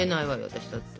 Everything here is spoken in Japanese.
私だって。